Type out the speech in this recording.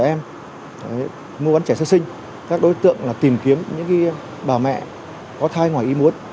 các em mua bán trẻ sơ sinh các đối tượng tìm kiếm những bà mẹ có thai ngoài ý muốn